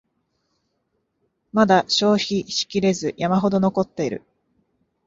まだ消費しきれず山ほど残ってる